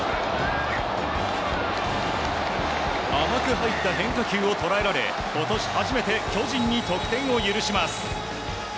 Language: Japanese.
甘く入った変化球を捉えられ今年初めて巨人に得点を許します。